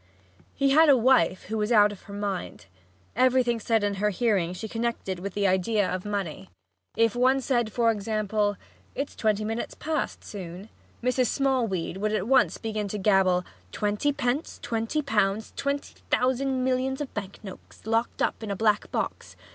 He had a wife who was out of her mind. Everything said in her hearing she connected with the idea of money. If one said, for example, "It's twenty minutes past noon," Mrs. Smallweed would at once begin to gabble: "Twenty pence! Twenty pounds! Twenty thousand millions of bank notes locked up in a black box!"